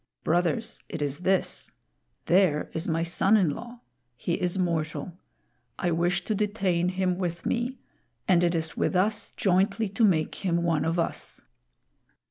Brothers, it is this: There is my son in law; he is mortal. I wish to detain him with me, and it is with us jointly to make him one of us."